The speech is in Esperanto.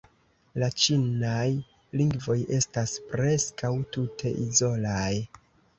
La ĉinaj lingvoj estas preskaŭ tute izolaj.